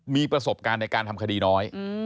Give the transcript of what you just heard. มีประสบการณ์ในการทำคดีน้อย